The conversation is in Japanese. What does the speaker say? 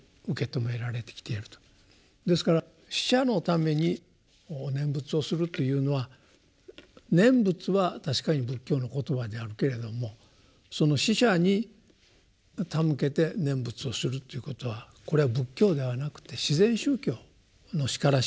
ですから死者のために念仏をするというのは念仏は確かに仏教の言葉であるけれどもその死者にたむけて念仏をするということはこれは仏教ではなくて自然宗教のしからしむるところなんですね。